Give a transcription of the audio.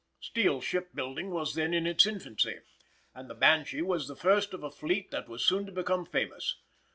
Steel ship building was then in its infancy, and the Banshee was the first of a fleet that was soon to become famous.